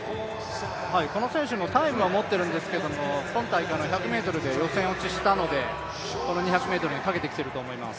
この選手はタイムも持っているんですけど、今大会の１００ｍで予選落ちしたので、この２００ｍにかけてきてると思います。